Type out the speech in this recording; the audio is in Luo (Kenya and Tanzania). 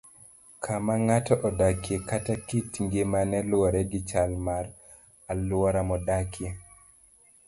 Kama ng'ato odakie kata kit ngimane luwore gi chal mar alwora modakie.